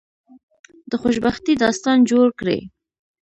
د خوشبختی داستان جوړ کړی.